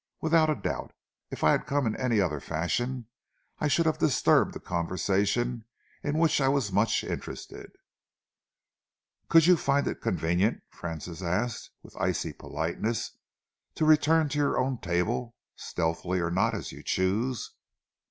Without a doubt. If I had come in any other fashion, I should have disturbed a conversation in which I was much interested." "Could you find it convenient," Francis asked, with icy politeness, "to return to your own table, stealthily or not, as you choose?"